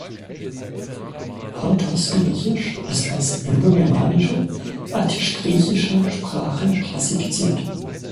Pontosgriechisch ist als indogermanische, attischgriechische Sprache klassifiziert.